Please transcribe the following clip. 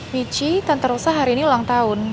bici tante rosa hari ini ulang tahun